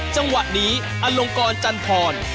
จังหวะนี้อลงกรจันทร